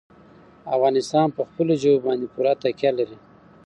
افغانستان په خپلو ژبو باندې پوره تکیه لري.